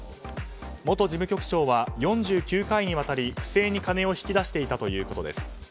元事務局長は４９回にわたり不正に金を引き出していたということです。